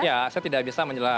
ya saya tidak bisa menjelaskan